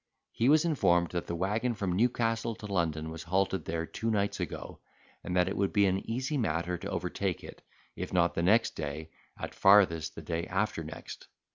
He was informed that the waggon from Newcastle to London had halted there two nights ago, and that it would be an easy matter to overtake it, if not the next day, at farthest, the day after the next.